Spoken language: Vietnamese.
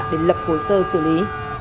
để lập hồ sơ xử lý